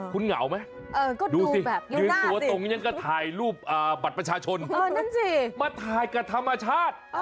คุณเหงาไหมดูสิยืนตัวตรงยังก็ถ่ายรูปบัตรประชาชนมาถ่ายกับธรรมชาติ